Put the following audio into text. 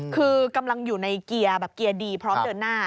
คือกำลังอยู่ในเกียร์แบบเกียร์ดีพร้อมเดินหน้า